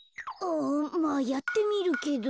うんまあやってみるけど。